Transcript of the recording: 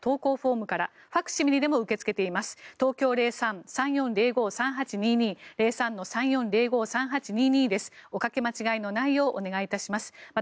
おかけ間違いのないようお願いいたします。